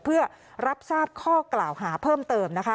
เพื่อรับทราบข้อกล่าวหาเพิ่มเติมนะคะ